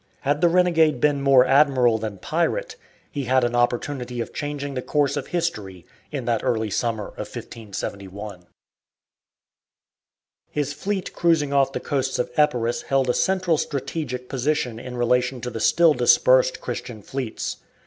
Had the renegade been more admiral than pirate, he had an opportunity of changing the course of history in that early summer of 1571. His fleet cruising off the coasts of Epirus held a central strategic position in relation to the still dispersed Christian fleets.